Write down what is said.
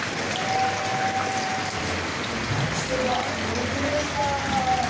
やきそばできました！